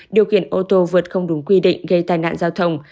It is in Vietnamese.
điều khiển ô tô vượt không đúng quy định gây tai nạn giao thông